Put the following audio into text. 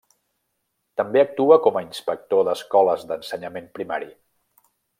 També actua com a inspector d’escoles d’ensenyament primari.